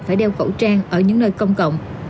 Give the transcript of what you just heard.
phải đeo khẩu trang ở những nơi công cộng